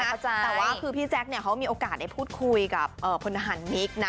แต่ว่าคือพี่แจ๊คเขามีโอกาสได้พูดคุยกับพลทหารมิกนะ